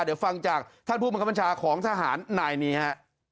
เดี๋ยวฟังจากท่านผู้บังคับบัญชาของทหารนายนี้ฮะ